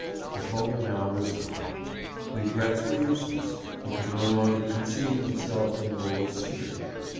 But hope now was gone. Regrets were useless. He could no longer conceive himself in the role of suitor.